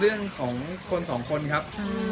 เออแสดงว่ากดกันของกันไป